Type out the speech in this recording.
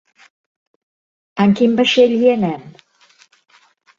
En quin vaixell hi anem?